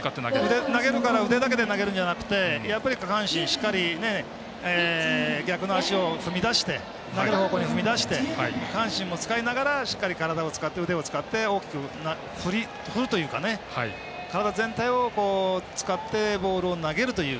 腕だけで投げるんではなくて下半身、しっかり逆の足を踏み出して投げる方向に踏み出して下半身も使いながらしっかり体、腕を使って大きく振るというか体全体を使ってボールを投げるという。